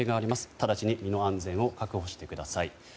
ただちに身の安全を確保してください。